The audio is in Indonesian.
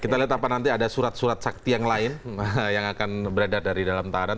kita lihat apa nanti ada surat surat sakti yang lain yang akan beredar dari dalam tahanan